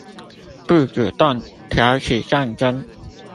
不主動挑起戰爭